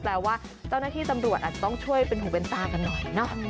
แปลว่าเจ้าหน้าที่ตำรวจอาจจะต้องช่วยเป็นหูเป็นตากันหน่อยเนอะ